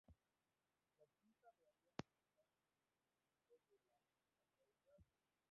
La quinta raya está en el nacimiento de la aleta caudal.